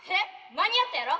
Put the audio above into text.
間に合ったやろ？